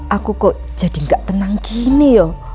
aku kok jadi gak tenang gini loh